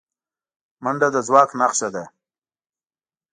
منډه د ځواک نښه ده